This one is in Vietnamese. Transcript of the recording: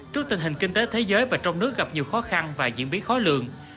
trước tình hình kinh tế thế giới và trong nước gặp nhiều khó khăn và diễn biến khó lường